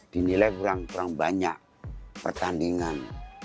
dinilai kurang banyak pertandingan